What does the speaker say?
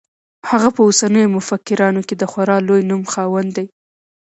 هغه په اوسنیو مفکرانو کې د خورا لوی نوم خاوند دی.